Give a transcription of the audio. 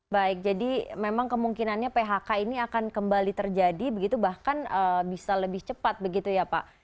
baik jadi memang kemungkinannya phk ini akan kembali terjadi begitu bahkan bisa lebih cepat begitu ya pak